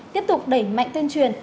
tiếp tục đẩy mạnh tuyên truyền